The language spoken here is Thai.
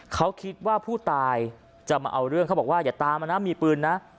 เขาคิดว่าผู้ตายจะมาเอาเรื่องเขาบอกว่าอย่าตามมานะมีปืนนะ